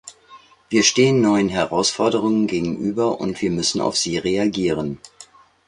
Wir stehen neuen Herausforderungen gegenüber und wir müssen auf sie reagieren.